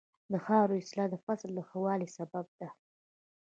د خاورې اصلاح د فصل د ښه والي سبب ده.